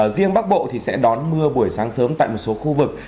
riêng bắc bộ thì sẽ đón mưa buổi sáng sớm tại một số khu vực